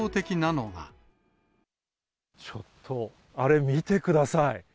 ちょっと、あれ見てください。